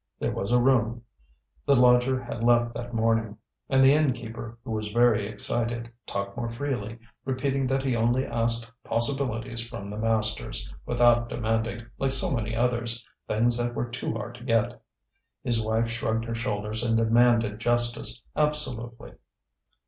There was a room; the lodger had left that morning. And the innkeeper, who was very excited, talked more freely, repeating that he only asked possibilities from the masters, without demanding, like so many others, things that were too hard to get. His wife shrugged her shoulders and demanded justice, absolutely.